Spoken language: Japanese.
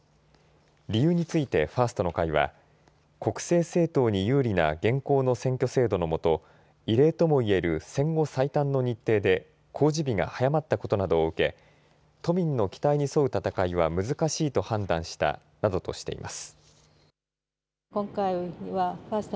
理由について、ファーストの会は国政政党に有利な現行の選挙制度のもと異例ともいえる戦後最短の日程で公示日が早まったことなどを受け都民の期待に沿う戦いは難しいと判断したなどとしています。